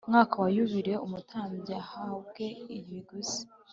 mwaka wa yubile umutambyi ahabwe ibiguzi